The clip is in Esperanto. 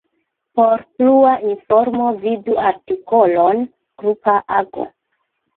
Por plua informo vidu artikolon grupa ago.